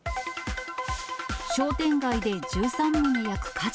商店街で１３棟焼く火事。